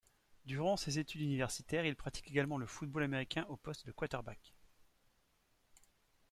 Durant ses études universitaires, il pratique également le football américain au poste de quarterback.